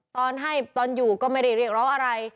ตอนให้ตอนอยู่ก็ไม่ได้เรียกร้องอะไร